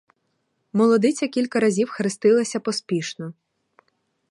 Молодиця кілька разів хрестилася поспішно.